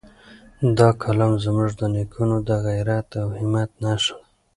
دا کلا زموږ د نېکونو د غیرت او همت نښه ده.